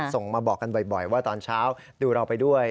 ส่งมาบอกกันบ่อยว่าตอนเช้าดูเราไปด้วย